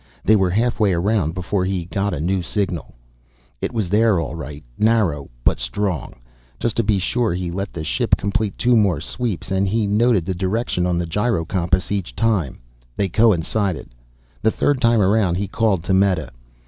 They were halfway around before he got a new signal. It was there all right, narrow but strong. Just to be sure he let the ship complete two more sweeps, and he noted the direction on the gyro compass each time. They coincided. The third time around he called to Meta.